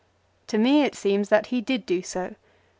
To me it seems that he did do so.